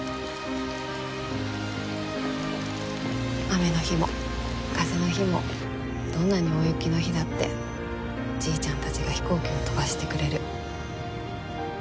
雨の日も風の日もどんなに大雪の日だってじいちゃんたちが飛行機を飛ばしてくれる。